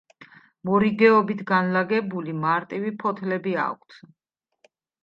მორიგეობით განლაგებული მარტივი ფოთლები აქვთ.